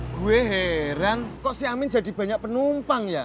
gue heran kok si amin jadi banyak penumpang ya